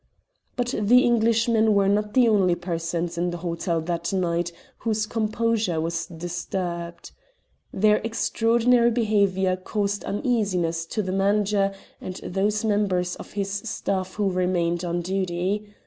But the Englishmen were not the only persons in the hotel that night whose composure was disturbed. Their extraordinary behaviour caused uneasiness to the manager and those members of his staff who remained on duty.